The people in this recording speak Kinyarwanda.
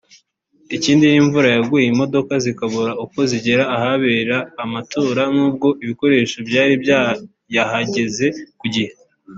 Ikindi ni imvura yaguye imodoka zikabura uko zigera ahabera amatora n’ubwo ibikoresho byari bayahegeze ku gihe